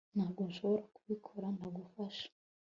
ntabwo nshobora kubikora ntagufasha